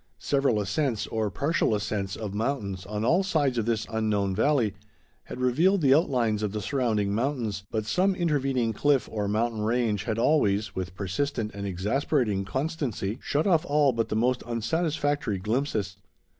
Several ascents, or partial ascents, of mountains on all sides of this unknown valley, had revealed the outlines of the surrounding mountains, but some intervening cliff or mountain range had always, with persistent and exasperating constancy, shut off all but the most unsatisfactory glimpses.